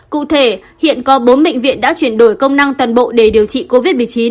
cụ thể hiện có bốn bệnh viện đã chuyển đổi công năng toàn bộ để điều trị covid một mươi chín